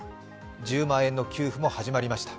１０万円の給付も始まりました。